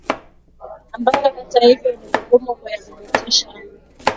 ambayo hata hivyo ni vigumu kuyathibitisha